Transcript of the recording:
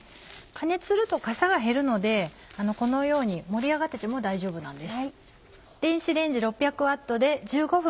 加熱するとかさが減るのでこのように盛り上がってても大丈夫なんです。